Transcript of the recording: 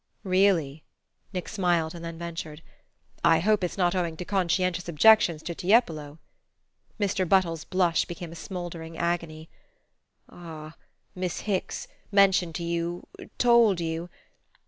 "Really," Nick smiled, and then ventured: "I hope it's not owing to conscientious objections to Tiepolo?" Mr. Buttles's blush became a smouldering agony. "Ah, Miss Hicks mentioned to you... told you...?